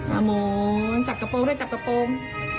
เอาละโมงจับกระโปรงด้วยจับกระโปรง